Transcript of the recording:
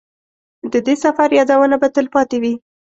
د دې سفر یادونه به تلپاتې وي.